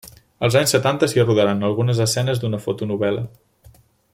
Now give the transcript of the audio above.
Als anys setanta s'hi rodaren algunes escenes d'una fotonovel·la.